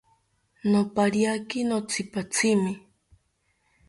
Nopariaki notzipatzimi